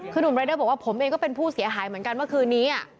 คือหนุ่มรายเดอร์บอกว่าผมเองก็เป็นผู้เสียหายเหมือนกันเมื่อคืนนี้